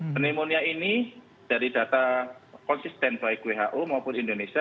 pneumonia ini dari data konsisten baik who maupun indonesia